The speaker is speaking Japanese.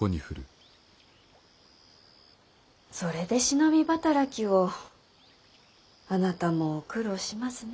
それで忍び働きをあなたも苦労しますね。